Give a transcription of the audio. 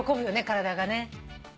体がね。